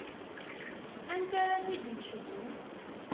Anta ara t-id-yecbun?